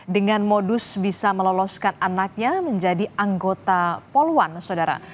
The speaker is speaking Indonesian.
dengan modus bisa meloloskan anaknya menjadi anggota poluan saudara